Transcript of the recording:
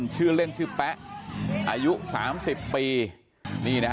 ชื่อเล่นชื่อแป๊ะอายุ๓๐ปี